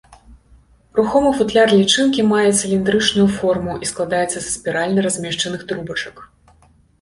Рухомы футляр лічынкі мае цыліндрычную форму і складаецца са спіральна размешчаных трубачак.